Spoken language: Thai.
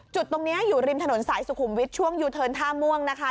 จุดตรงนี้อยู่ริมถนนสายสุขุมวิทย์ช่วงยูเทิร์นท่าม่วงนะคะ